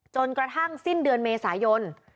จนกระทั่งสิ้นเดือนเมษายน